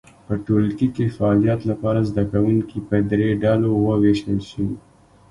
په ټولګي کې فعالیت لپاره زده کوونکي په درې ډلو وویشل شي.